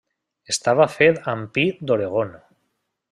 Estava fet amb pi d'Oregon.